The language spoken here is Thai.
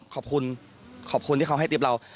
ขอบคุณขอบคุณที่เขาให้ติ๊บเรา